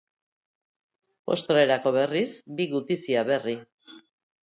Postrerako berriz, bi gutizia berri.